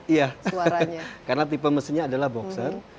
iya karena tipe mesinnya adalah boxer